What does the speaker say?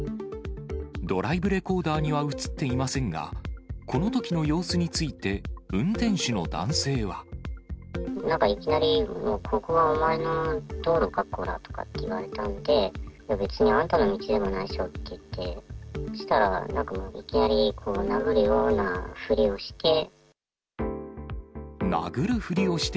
ドライブレコーダーには写っていませんが、このときの様子についなんかいきなり、ここはお前の道路かこらと言われたんで、いや、別にあんたの道でもないでしょって言って、そしたら、いきなり殴るようなふりをして。